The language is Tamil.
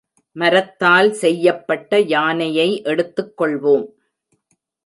மரத்தால் செய்யப்பட்ட யானையை எடுத்துக்கொள்வோம்.